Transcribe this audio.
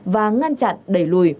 và ngăn chặn đẩy lùi